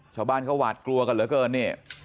ชาวบ้านเขาหวาดกลัวกันเหลือเกินเนี่ย